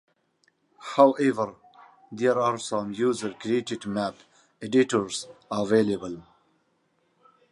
However, there are some user-created map editors available.